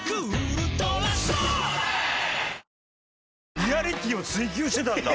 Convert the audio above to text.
リアリティーを追求してたんだ。